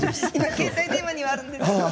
携帯電話にはあるんですけれど。